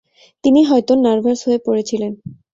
তিনি হয়ত নার্ভাস হয়ে পড়েছিলেন।